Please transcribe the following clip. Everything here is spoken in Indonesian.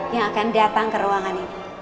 yang akan datang ke ruangan ini